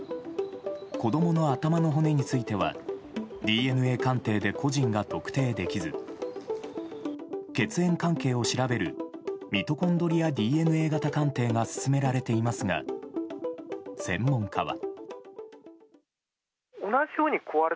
子供の頭の骨についてはＤＮＡ鑑定で個人が特定できず血縁関係を調べるミトコンドリアＤＮＡ型鑑定が進められていますが専門家は。